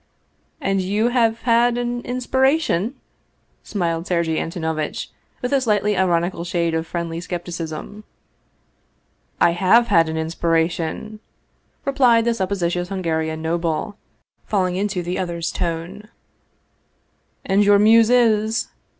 "And you have had an inspiration?" smiled Sergei An tonovitch, with a slightly ironical shade of friendly skep ticism. " I have had an inspiration," replied the supposititious Hungarian nobleman, falling into the other's tone. " And your muse is